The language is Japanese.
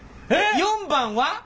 ４番は？